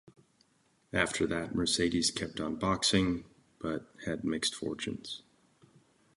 After that, Mercedes kept on boxing, but had mixed fortunes.